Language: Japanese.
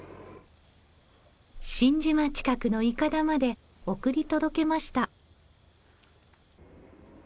新島近くのいかだまで送り届けました。